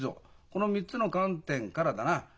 この３つの観点からだな